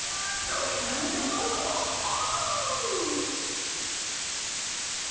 これからも頑張るぞお！